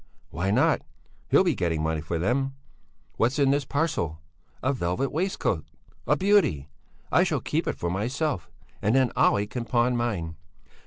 "Why not? He'll be getting money for them. What's in this parcel? A velvet waistcoat! A beauty! I shall keep it for myself and then Olle can pawn mine.